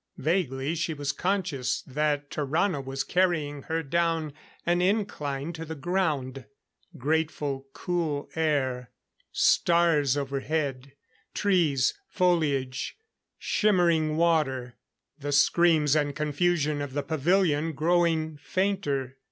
Vaguely she was conscious that Tarrano was carrying her down an incline to the ground. Grateful, cool air. Stars overhead. Trees; foliage; shimmering water. The screams and confusion of the pavilion growing fainter....